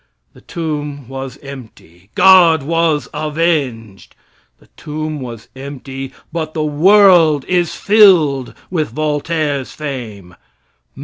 The tomb was empty. God was avenged! The tomb was empty, but the world is filled with Voltaire's fame.